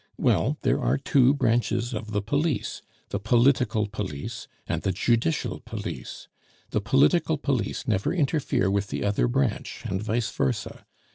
Well, there are two branches of the police the political police and the judicial police. The political police never interfere with the other branch, and vice versa.